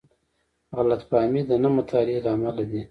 غلط فهمۍ د نه مطالعې له امله دي.